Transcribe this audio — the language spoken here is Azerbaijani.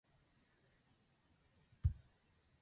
Erkəklər dişilərdən kiçikdir.